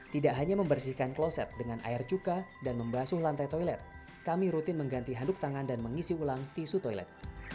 tidak hanya membersihkan kloset dengan air cuka dan membasuh lantai toilet kami rutin mengganti handuk tangan dan mengisi ulang tisu toilet